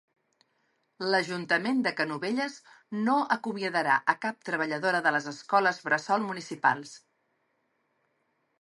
L'ajuntament de Canovelles no acomiadarà a cap treballadora de les escoles bressol municipals.